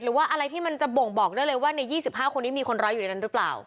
หรือว่าอะไรที่มันจะบ่งบอกได้เลยว่าใน๒๕คนนี้มีคนร้ายอยู่ในนั้นหรือเปล่า